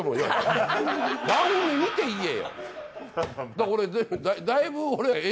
だから俺だいぶ。